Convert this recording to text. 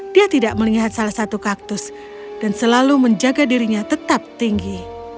dia tidak melihat salah satu kaktus dan selalu menjaga dirinya tetap tinggi